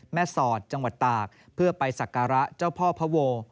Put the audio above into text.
แม่สอดจังหวัดตากเพื่อไปศักระเจ้าพ่อพว